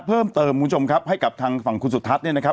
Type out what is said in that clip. เพิ่มเติมคุณผู้ชมครับให้กับทางฝั่งคุณสุทัศน์เนี่ยนะครับ